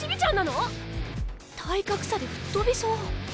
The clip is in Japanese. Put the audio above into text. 体格差で吹っ飛びそう。